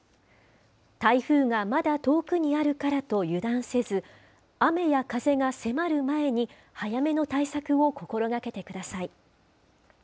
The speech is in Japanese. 台風がまだ遠くにあるからと油断せず、雨や風が迫る前に早めの対策を心がけてください。